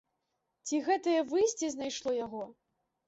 Ці гэтае выйсце знайшло яго?